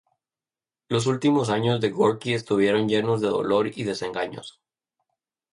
Los últimos años de Gorky estuvieron llenos de dolor y desengaños.